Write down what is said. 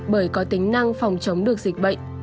bởi có tính năng phòng chống được dịch bệnh